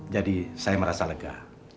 jadi saya merasa lega